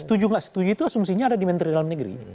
setuju nggak setuju itu asumsinya ada di menteri dalam negeri